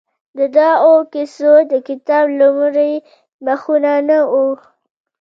د دغو کیسو د کتاب لومړي مخونه نه وو؟